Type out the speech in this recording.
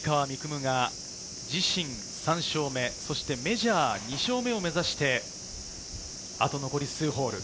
夢が自身３勝目、そしてメジャー２勝目を目指して、あと残り数ホール。